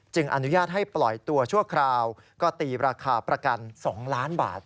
อนุญาตให้ปล่อยตัวชั่วคราวก็ตีราคาประกัน๒ล้านบาท